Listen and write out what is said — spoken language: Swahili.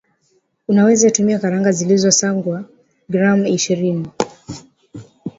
unaweza tumia karanga zilizosangwa gram ishirini